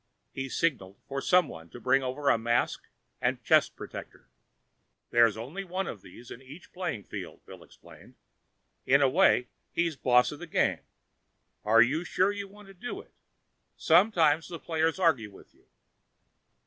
He signaled for someone to bring over a mask and chest protector. "There's only one of these at each playing field," Bill explained. "In a way, he's boss of the game. Are you sure you want to do it? Sometimes the players argue with you."